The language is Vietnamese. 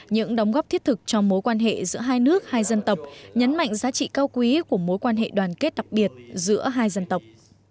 những đóng góp thiết thực cho mối quan hệ giữa hai nước hai dân tộc nhấn mạnh giá trị cao quý của mối quan hệ đoàn kết đặc biệt giữa hai dân tộc